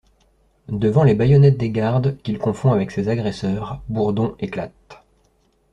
Devant les baïonnettes des gardes, qu’il confond avec ses agresseurs, Bourdon éclate.